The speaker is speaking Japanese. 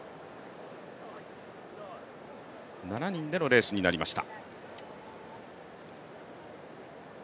７人でのレースになりました。